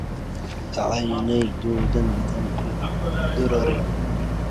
أعيني جودا بدمع درر